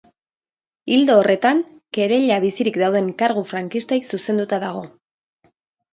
Ildo horretan, kereila bizirik dauden kargu frankistei zuzenduta dago.